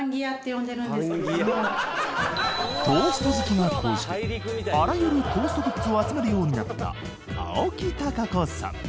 トースト好きが高じてあらゆるトーストグッズを集めるようになった青木たかこさん